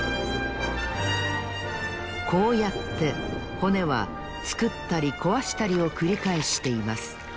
こうやって骨はつくったりこわしたりをくりかえしています。